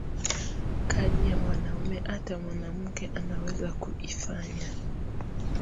Kaji ya wanaume ata mwanamuke anaweza ku ifanya